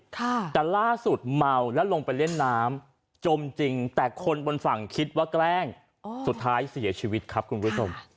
แต่ล่าสุดเมาแล้วลงไปเล่นน้ำจมจริงแต่คนบนฝั่งคิดว่าแกล้งสุดท้ายเสียชีวิตครับคุณผู้ชม